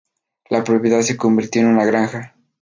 La propiedad se convirtió en una granja.